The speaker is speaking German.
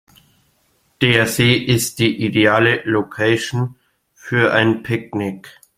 Der See ist die ideale Location für ein Picknick.